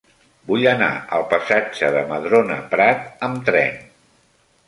Vull anar al passatge de Madrona Prat amb tren.